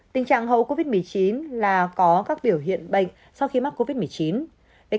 tình trạng hậu covid một mươi chín là có các biểu hiện bệnh sau khi mắc covid một mươi chín